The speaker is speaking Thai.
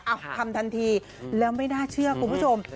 ทำทันทีแล้วไม่น่าเชื่อคุณผู้ชม